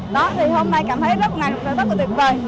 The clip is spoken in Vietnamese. đó thì hôm nay cảm thấy rất là tuyệt vời